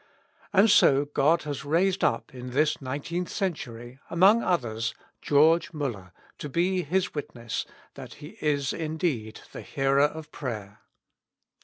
And so God has raised up in this nineteenth century, among others, George Muller to be His wit ness that He is indeed the Hearer of prayer.